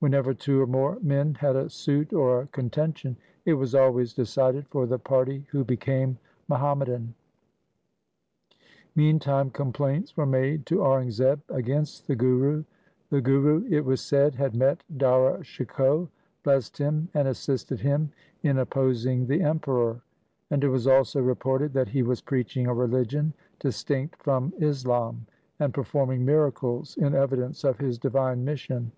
Whenever two or more men had a suit or a contention, it was always decided for the party who became Muhammadan. Meantime complaints were made to Aurangzeb against the Guru. The Guru, it was said, had met Dara Shikoh, blessed him, and assisted him in opposing the Emperor ; and it was also reported that he was preaching a religion distinct from Islam, and performing miracles in evidence of his divine mission.